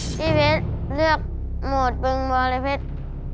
เพชรเลือกโหมดบึงบรเพชร